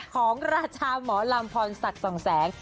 ของราชาหมอลำพรศักดิ์สองแสง